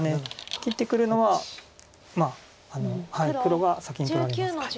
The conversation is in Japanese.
切ってくるのは黒は先に取られます。